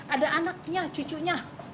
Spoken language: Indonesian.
ada anaknya cucunya